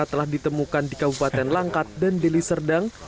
telah ditemukan di kabupaten langkat dan deli serdang